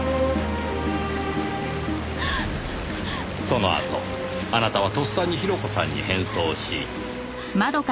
そのあとあなたはとっさに広子さんに変装し。